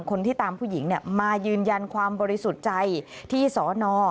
คนที่ตามผู้หญิงมายืนยันความบริสุทธิ์ใจที่สอนอ